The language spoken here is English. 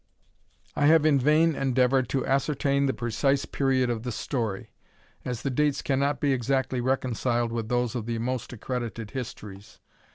I have in vain endeavoured to ascertain the precise period of the story, as the dates cannot be exactly reconciled with those of the most accredited histories.